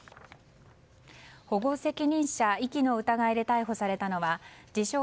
保護責任者遺棄の疑いで逮捕されたのは自称